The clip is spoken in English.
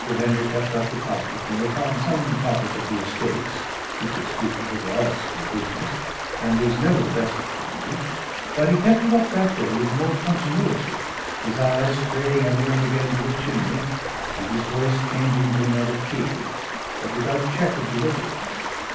Henry kept up the talk with me upon some topic of the estates he could speak of little else but business, and was never the best of company; but he kept it up that day with more continuity, his eye straying ever and again to the chimney, and his voice changing to another key, but without check of delivery.